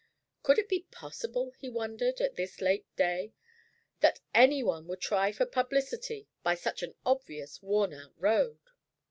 Could it be possible, he wondered, at this late day, that any one would try for publicity by such an obvious worn out road?